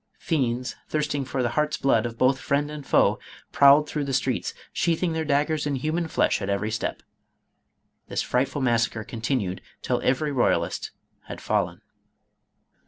Fiends, thirsting for the hearts' blood of both friend and foe, prowled through the streets, sheathing their daggers in human flesh at every step. This frightful massacre continued till every royalist had fallen.